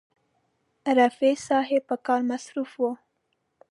رفیع صاحب په کار مصروف و.